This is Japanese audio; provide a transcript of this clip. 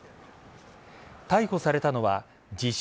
逮捕されたのは自称